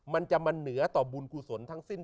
มันจะมาเหนือต่อบุญกุศลทั้งสิ้น